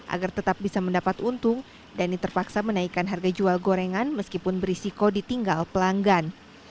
agar tetap bisa mendapat untung dhani terpaksa menaikkan harga jual gorengan meskipun berisiko ditinggal pelanggan